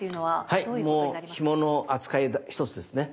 はいもうひもの扱い１つですね。